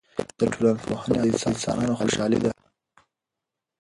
د ټولنپوهنې هدف د انسانانو خوشحالي ده.